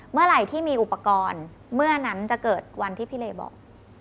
เมื่อไหร่ที่มีอุปกรณ์เมื่อนั้นจะเกิดวันที่พี่เลบอก